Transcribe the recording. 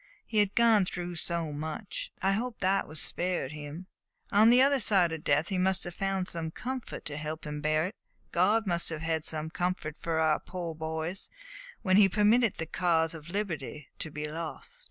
He had gone through so much, I hope that was spared him. On the other side of death he must have found some comfort to help him bear it. God must have had some comfort for our poor boys when he permitted the cause of liberty to be lost."